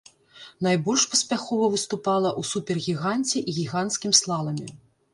Найбольш паспяхова выступала ў супергіганце і гіганцкім слаламе.